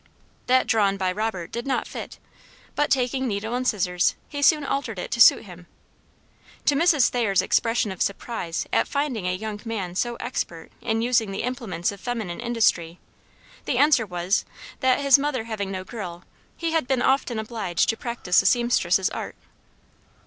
That drawn by Robert did not fit, but, taking needle and scissors, he soon altered it to suit him. To Mrs. Thayer's expression of surprise at finding a young man so expert in using the implements of feminine industry, the answer was, that, his mother having no girl, he had been often obliged to practice the seamstress's art."